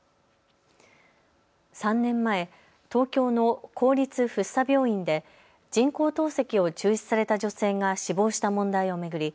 ３年前、東京の公立福生病院で人工透析を中止された女性が死亡した問題を巡り